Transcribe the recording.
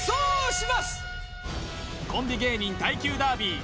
コンビ芸人耐久ダービー